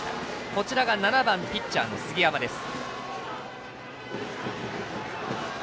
こちらが７番、ピッチャーの杉山です。